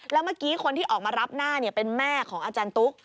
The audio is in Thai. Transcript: แล้วเมื่อกี้คนที่ออกมารับหน้าเป็นแม่ของอาจารย์ตุ๊ก